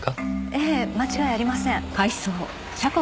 ええ間違いありません。